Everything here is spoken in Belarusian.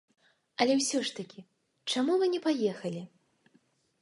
Але ўсё ж такі, чаму вы не паехалі?